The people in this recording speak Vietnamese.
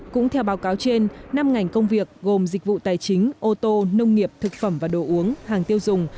cũng theo báo cáo trên năm ngành công việc gồm dịch vụ tài chính ô tô nông nghiệp thực phẩm và đồ uống hàng tiêu dùng